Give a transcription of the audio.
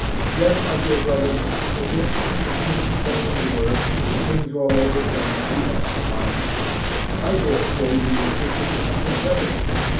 Jeff, my dear brother, if there should be the change made in the works, and things all overturned, you mustn't mind I dare say you will pitch into something better.